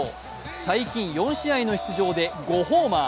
最近４試合の出場で５ホーマー。